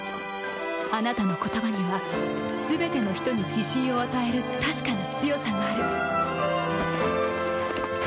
あなたの言葉にはすべての人に自信を与えるたしかな強さがある